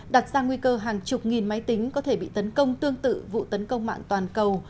đặt ra nguy cơ hàng chục nghìn máy tính có thể bị tấn công tương tự vụ tấn công mạng toàn cầu